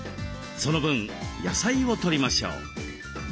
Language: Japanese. その分野菜をとりましょう。